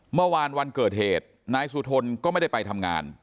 เมื่อวานวันเกิดเหตุนายสุทนก็ไม่ได้ไปทำงาน